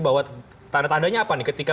bahwa tanda tandanya apa nih ketika